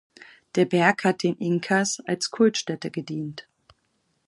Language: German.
Der Berg hat den Inkas als Kultstätte gedient.